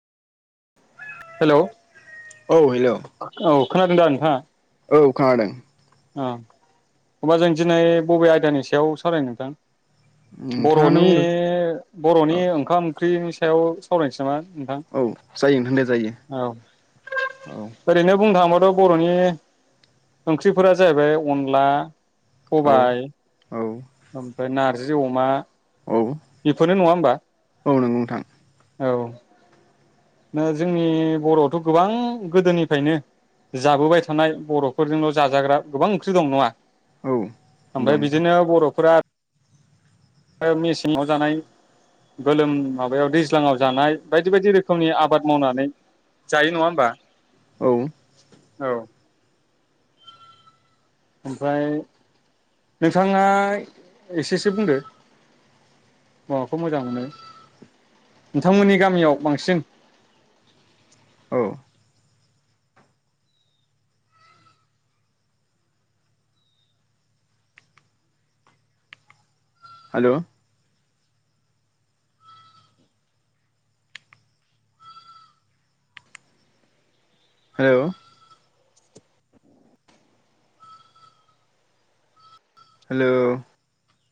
hello औ hello औ खोनादों दा नोंथांआ औ खोनादों ओम होबा जों दिनै बबे आयदानि सायाव सावरायनो नोंथां नोंथाङानो बर'नि बुंदो बर'नि औ ओंखाम ओंख्रिनि सायाव सावरायनोसै नामा नोंथां औ जायो नोंथां दे जायो औ औ ओरैनो बुंनो थाङो बा बर'नि ओंख्रि फोरा जाहैबाय अनला औ सबाइ औ ओमफ्राय नार जि अमा औ बेफोरनो नङा होमबा औ नंगौ नोंथां औ दा जोंनि बर'आवथ' गोबां गोदोनिफ्रायनो जाबोबाय थानाय बर'फोरजोंल' जाजाग्रा गोबां ओंख्रि दं नङा औ दं ओमफ्राय नोंथां बिदिनो बर'फोरा ओ मेसेङाव जानाय गोलोम माबायाव दैज्लाङाव जानाय बायदि बायदि रोख खोमनि आबाद मावनानै जायो नङा होमबा औ औ ओमफ्राय नोंथाङा एसेसो बुंदो माबाखौ मोजां मोनो नोंथांमोननि गामियाव बांसिन औ हेलौ हेलौ हेलौ